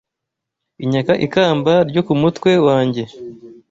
Inyaka ikamba ryo ku mutwe wanjye